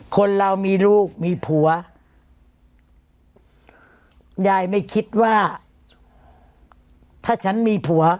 คนเรามีลูกมีผัวยายไม่คิดว่าถ้าฉันมีผัว